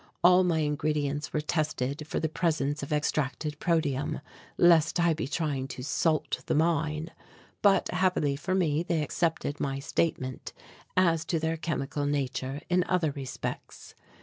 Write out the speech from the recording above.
All my ingredients were tested for the presence of extracted protium, lest I be trying to "salt the mine." But happily for me they accepted my statement as to their chemical nature in other respects.